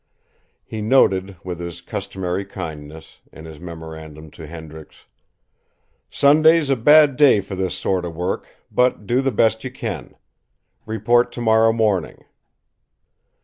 He noted, with his customary kindness, in his memorandum to Hendricks: "Sunday's a bad day for this sort of work, but do the best you can. Report tomorrow morning."